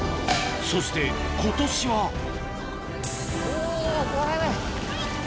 そして今年はおぉ！